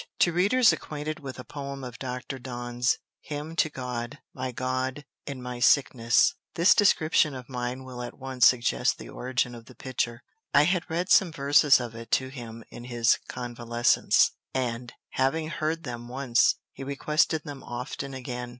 To readers acquainted with a poem of Dr. Donne's, "Hymn to God, my God, in my sickness," this description of mine will at once suggest the origin of the picture. I had read some verses of it to him in his convalescence; and, having heard them once, he requested them often again.